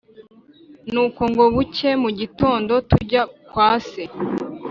” nuko ngo bucye mu gitondo tujya kwa se